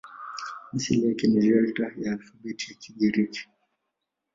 Asili yake ni Delta ya alfabeti ya Kigiriki.